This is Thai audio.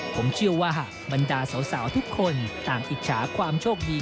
ผมเชื่อว่าหากบรรดาสาวทุกคนต่างอิจฉาความโชคดี